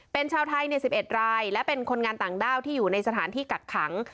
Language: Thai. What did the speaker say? เป็นชาวไทย๑๑รายและเป็นคนงานต่างด้าวที่อยู่ในสถานที่กักขัง